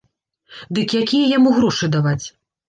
Дык якія яму грошы даваць?